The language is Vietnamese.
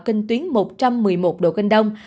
kênh tuyến một trăm một mươi một độ cân đông